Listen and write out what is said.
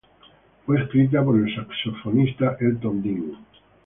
Fue escrita por el saxofonista Elton Dean.